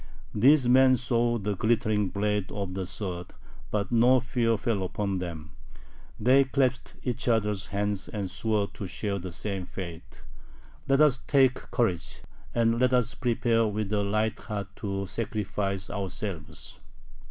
These men saw the glittering blade of the sword, but no fear fell upon them. They clasped each other's hands and swore to share the same fate. "Let us take courage, and let us prepare with a light heart to sacrifice ourselves.